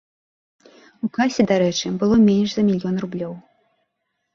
У касе, дарэчы, было менш за мільён рублёў.